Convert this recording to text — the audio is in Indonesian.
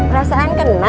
perasaan kenal ya